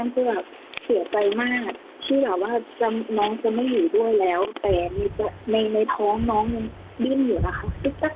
เพราะว่าน้ำข้อมันเหงื่อน้อยมาก